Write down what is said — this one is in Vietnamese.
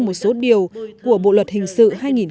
một số điều của bộ luật hình sự